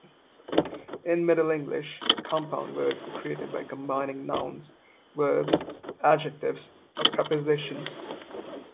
In Middle English, compound words were created by combining nouns, verbs, adjectives, or prepositions.